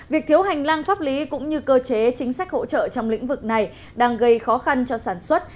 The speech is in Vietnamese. việc thiếu hành lang pháp lý cũng như cơ chế chính sách hỗ trợ trong lĩnh vực này đang gây khó khăn cho sản xuất